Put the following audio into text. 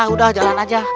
udah jalan aja